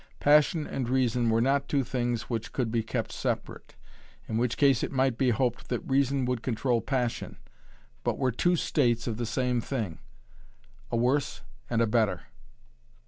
Passion and reason were not two things which could be kept separate in which case it might be hoped that reason would control passion, but were two states of the same thing a worse and a better.